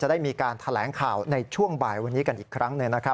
ได้มีการแถลงข่าวในช่วงบ่ายวันนี้กันอีกครั้งหนึ่งนะครับ